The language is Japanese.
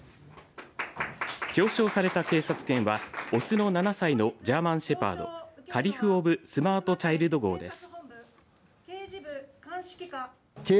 表彰された警察犬は雄の７歳のジャーマンシェパードカリフ・オブ・スマート・チャイルド号です。